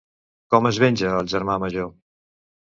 Com es venja el germà major?